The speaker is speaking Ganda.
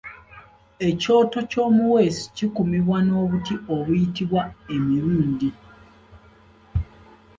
Ekyoto ky’omuweesi kikumibwa n’obuti obuyitibwa Emirindi.